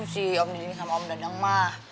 si om diding sama om dadang mah